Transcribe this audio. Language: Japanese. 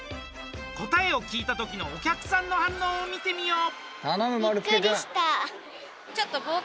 答えを聞いた時のお客さんの反応を見てみよう。